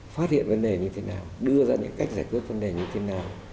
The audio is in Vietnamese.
phát hiện vấn đề như thế nào đưa ra những cách giải quyết vấn đề như thế nào